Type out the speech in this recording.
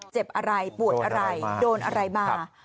เจ็บอะไรปวดอะไรโดนอะไรมา